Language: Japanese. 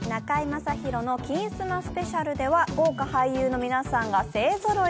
正広の「金スマスペシャル」では、豪華俳優の皆さんが勢ぞろい。